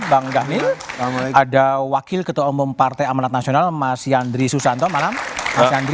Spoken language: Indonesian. bang dhanil ada wakil ketua umum partai amanat nasional mas yandri susanto malam mas yandri